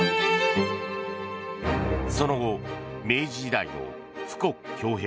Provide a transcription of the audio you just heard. その後、明治時代の富国強兵